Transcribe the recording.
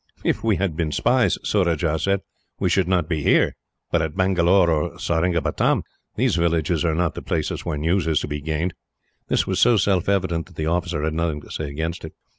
"If we had been spies," Surajah said, "we should not be here, but at Bangalore or Seringapatam. These villages are not the places where news is to be gained." This was so self evident that the officer had nothing to say against it.